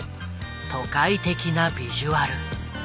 都会的なビジュアル。